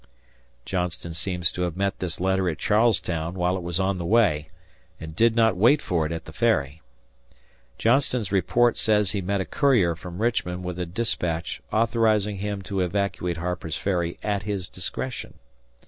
Johnston seems to have met this letter at Charles Town while it was on the way, and did not wait for it at the Ferry. Johnston's report says he met a courier from Richmond with a despatch authorizing him to evacuate Harper's Ferry at his discretion.